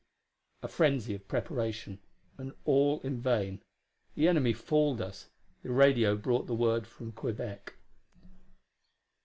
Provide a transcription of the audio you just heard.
A frenzy of preparation and all in vain. The enemy fooled us; the radio brought the word from Quebec.